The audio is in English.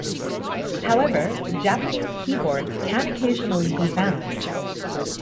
However, Japanese keyboards can occasionally be found.